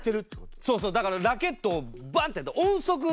そうそうだからラケットをバンッてやると。